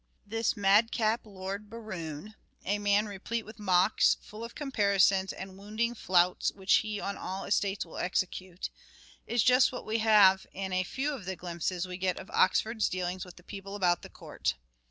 " This mad cap Lord Berowne," " a man replete with mocks, full of comparisons and wounding flouts which he on all estates will execute," is just what we have in a few of the glimpses we get of Oxford's dealings with the people about the court.